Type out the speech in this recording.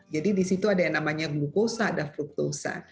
jadi di situ ada yang namanya glukosa dan fruktosa